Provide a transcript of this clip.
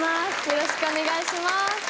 よろしくお願いします。